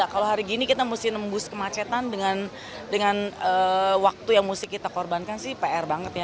kalau hari gini kita mesti nembus kemacetan dengan waktu yang mesti kita korbankan sih pr banget ya